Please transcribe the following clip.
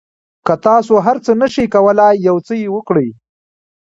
که تاسو هر څه نه شئ کولای یو څه یې وکړئ.